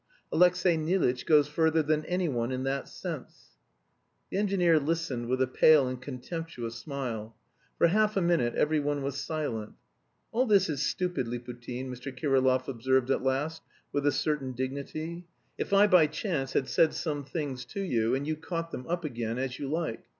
Alexey Nilitch goes further than anyone in that sense." The engineer listened with a pale and contemptuous smile. For half a minute every one was silent. "All this is stupid, Liputin," Mr. Kirillov observed at last, with a certain dignity. "If I by chance had said some things to you, and you caught them up again, as you like.